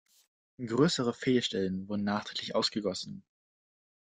Größere Fehlstellen wurden nachträglich ausgegossen.